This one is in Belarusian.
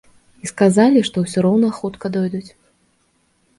І сказалі, што ўсё роўна хутка дойдуць.